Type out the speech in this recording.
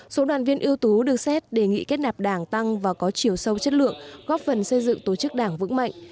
số đoàn viên ưu tú được xét đề nghị kết nạp đảng tăng và có chiều sâu chất lượng góp phần xây dựng tổ chức đảng vững mạnh